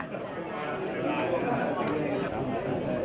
ข้อมูลความขอบทั้งหมดนี้คือ